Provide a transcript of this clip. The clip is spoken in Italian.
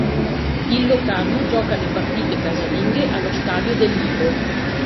Il Locarno gioca le partite casalinghe allo stadio del Lido.